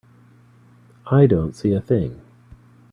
I don't see a thing.